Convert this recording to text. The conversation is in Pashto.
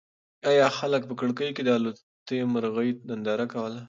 ایا هلک په کړکۍ کې د الوتی مرغۍ ننداره کوله؟